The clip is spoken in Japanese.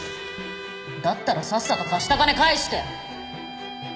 だったらさっさと貸した金返して！